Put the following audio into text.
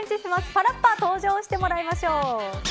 パラッパ登場してもらいましょう。